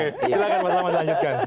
oke silahkan mas rahmat lanjutkan